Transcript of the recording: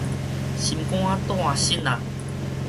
心肝帶爍爁